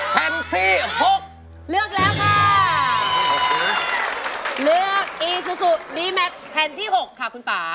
แผ่นที่๖เลือกแล้วค่ะแล้วอีซูซูดีแมทแผ่นที่๖ค่ะคุณป๊า